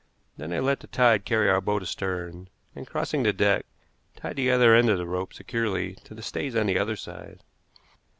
Then I let the tide carry our boat astern, and, crossing the deck, tied the other end of the rope securely to the stays on the other side.